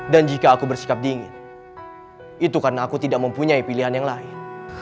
dan jika aku bersikap dingin itu karena aku tidak mempunyai pilihan yang lain